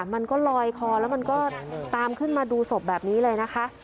มันก็ลอยคอแล้วมันก็ตามขึ้นมาดูศพแบบนี้เลยนะคะ